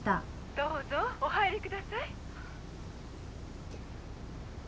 どうぞお入りください。